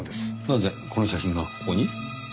なぜこの写真がここに？